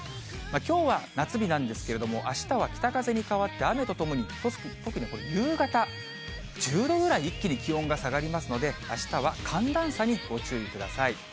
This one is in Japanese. きょうは夏日なんですけれども、あしたは北風に変わって雨とともに特に夕方、１０度ぐらい一気に気温が下がりますので、あしたは寒暖差にご注意ください。